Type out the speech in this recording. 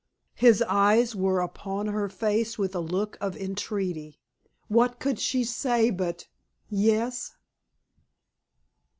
His eyes were upon her face with a look of entreaty. What could she say but yes?